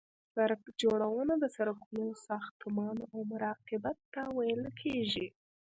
سرک جوړونه د سرکونو ساختمان او مراقبت ته ویل کیږي